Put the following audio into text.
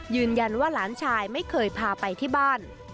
ยืนยันว่าหลานชายไม่เคยพาไปที่บ้าน